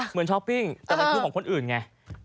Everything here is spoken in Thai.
เหมือนช้อปปิ้งแต่มันคือของคนอื่นเนี่ย